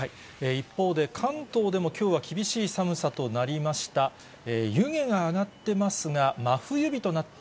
一方で、関東でもきょうは厳しい寒さとなりました。